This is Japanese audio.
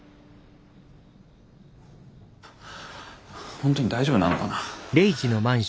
本当に大丈夫なのかな。